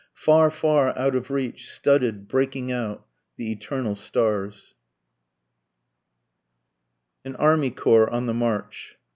far, far out of reach, studded, breaking out, the eternal stars. AN ARMY CORPS ON THE MARCH.